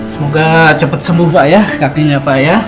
semoga cepat sembuh pak ya kakinya pak ya